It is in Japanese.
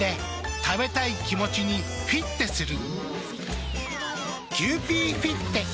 食べたい気持ちにフィッテする。